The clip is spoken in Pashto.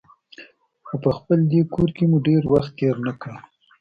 خو په خپل دې کور کې مو ډېر وخت تېر نه کړ.